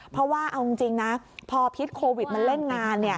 เพราะว่าเอาจริงนะพอพิษโควิดมันเล่นงาน